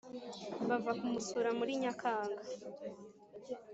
bava kumusura muri Nyakanga